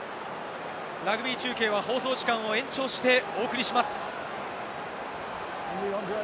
ラグビー中継は放送時間を延長してお送りします。